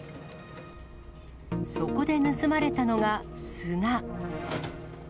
そこで盗まれたのが砂。